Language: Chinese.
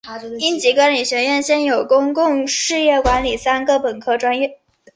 应急管理学院现有公共事业管理三个本科专业。